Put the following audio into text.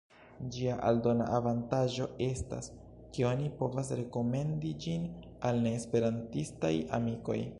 Ĝia aldona avantaĝo estas, ke oni povas rekomendi ĝin al neesperantistaj amikoj.